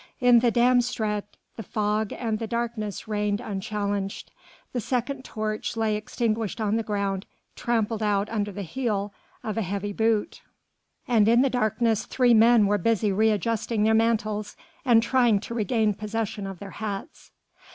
In the Dam Straat the fog and the darkness reigned unchallenged. The second torch lay extinguished on the ground, trampled out under the heel of a heavy boot. And in the darkness three men were busy readjusting their mantles and trying to regain possession of their hats.